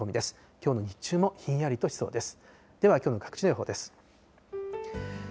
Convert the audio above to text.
きょうの日中もひんやりとしそうです。